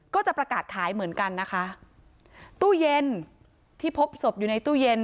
ก็จะประกาศขายเหมือนกันนะคะตู้เย็นที่พบศพอยู่ในตู้เย็น